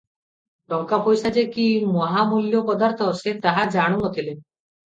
ଟଙ୍କା ପଇସା ଯେ କି ମହାମୂଲ୍ୟ ପଦାର୍ଥ, ସେ ତାହା ଜାଣୁ ନ ଥିଲେ ।